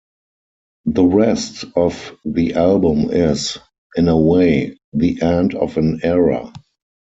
The rest of the album is, in a way, the end of an era.